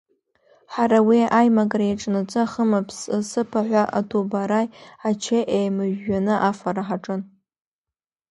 Ҳара уи аимакра иаҿнаҵы ахыԥы-сыԥыҳәа аҭубараи ачеи еимыжәжәаны афара ҳаҿын.